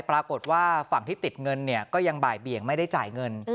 ปรากฏว่าฝั่งที่ติดเงินเนี่ยก็ยังบ่ายเบี่ยงไม่ได้จ่ายเงิน